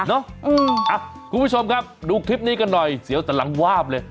คุณผู้ชมครับดูคลิปนี้กันหน่อยเสียวแต่หลังวาบเลย